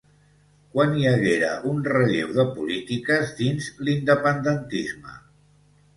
Quan hi haguera un relleu de polítiques dins l'independentisme.